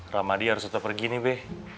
ramadi harus tetap pergi nih be